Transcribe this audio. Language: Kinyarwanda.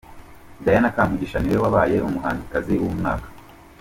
Diana Kamugisha niwe wabaye umuhanzikazi w'umwaka.